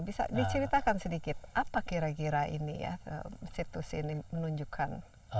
bisa diceritakan sedikit apa kira kira ini ya situs ini menunjukkan